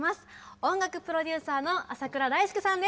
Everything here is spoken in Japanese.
音楽プロデューサーの浅倉大介さんです。